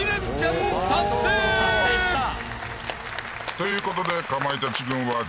ということで。